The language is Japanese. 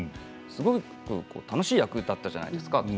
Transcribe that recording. すごく楽しい役だったじゃないですかって。